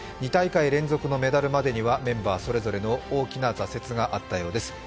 ２大会連続のメダルまでにはメンバーぞれぞれの大きな挫折があったようです。